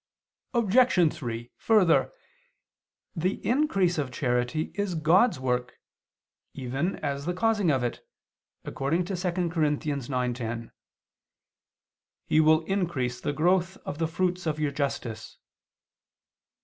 Obj. 3: Further, the increase of charity is God's work, even as the causing of it, according to 2 Cor. 9:10: "He will increase the growth of the fruits of your justice."